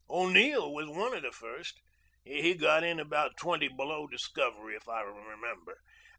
O'Neill was one of the first. He got in about twenty below discovery, if I remember.